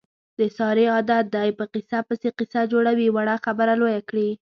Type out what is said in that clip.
د سارې عادت دی، په قیصه پسې قیصه جوړوي. وړه خبره لویه کړي.